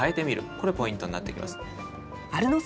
これポイントになってきます。